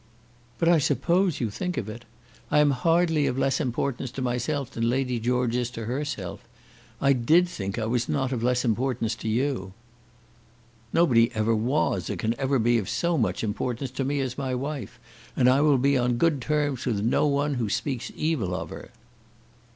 "But I suppose you think of it. I am hardly of less importance to myself than Lady George is to herself. I did think I was not of less importance to you." "Nobody ever was or ever can be of so much importance to me as my wife, and I will be on good terms with no one who speaks evil of her."